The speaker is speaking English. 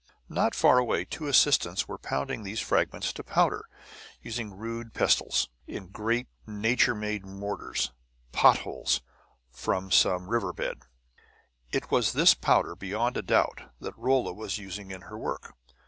Not far away two assistants were pounding these fragments to powder, using rude pestles, in great, nature made mortars "pot holes," from some river bed. It was this powder, beyond a doubt, that Rolla was using in her work.